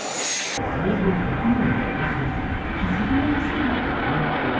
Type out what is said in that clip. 創業１００年の和菓子屋さん何これ？